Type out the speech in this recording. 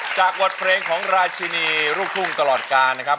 จากบทเพลงของราชินีลูกทุ่งตลอดการนะครับ